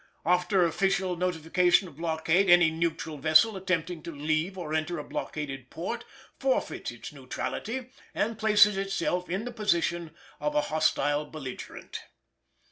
After official notification of blockade any neutral vessel attempting to leave or enter a blockaded port forfeits its neutrality and places itself in the position of a hostile belligerent.